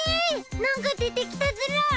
なんか出てきたズラ！